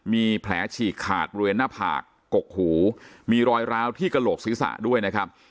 มีแผลฉีกขาดบริเวณหน้าผากกหูมีรอยร้าวที่กระโหลกศีรษะด้วยนะครับ